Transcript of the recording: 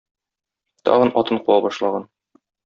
Тагын атын куа башлаган.